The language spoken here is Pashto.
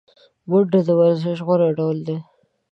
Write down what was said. منډه د ورزش غوره ډول دی